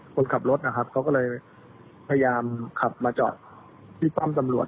คนขับรถนะครับเขาก็เลยพยายามขับมาจอดที่ป้อมตำรวจ